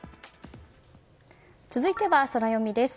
続いてはソラよみです。